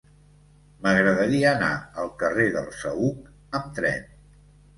M'agradaria anar al carrer del Saüc amb tren.